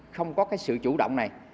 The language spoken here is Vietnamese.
không có cái sự chủ động này